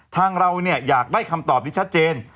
ทางเราอยากได้คำตอบที่ชัดเจน